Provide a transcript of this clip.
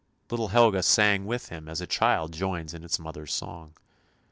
Little Helga sang with him as a child joins in its mother's song.